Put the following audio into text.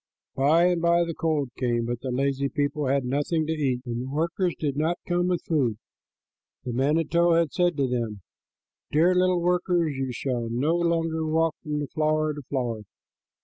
By and by the cold came, but the lazy people had nothing to eat, and the workers did not come with food. The manito had said to them, "Dear little workers, you shall no longer walk from flower to flower.